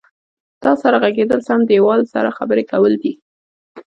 تا سره غږېدل سم دیواله سره خبرې کول دي.